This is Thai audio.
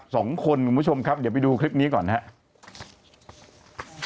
คุณผู้ชมครับเดี๋ยวไปดูคลิปนี้ก่อนครับ